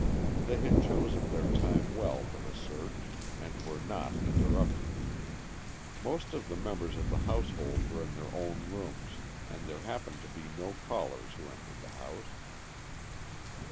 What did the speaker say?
They had chosen their time well for the search, and were not interrupted. Most of the members of the household were in their own rooms; and there happened to be no callers who entered the house.